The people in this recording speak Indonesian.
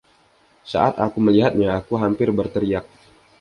Saat aku melihatnya aku hampir berteriak.